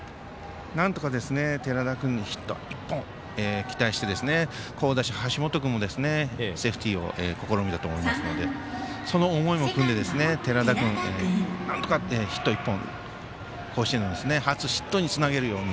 なんとか寺田君にヒット１本期待して、好打者、橋本君もセーフティーを試みると思いますのでその思いもくんで、寺田君なんとかヒット１本、甲子園の初ヒットにつなげるように。